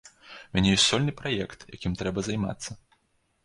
У мяне ёсць сольны праект, якім трэба займацца.